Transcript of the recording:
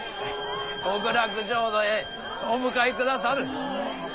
極楽浄土へお迎えくださる。